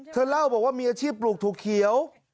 เธอเล่าบอกว่ามีอาชีพปลูกถั่วเขียว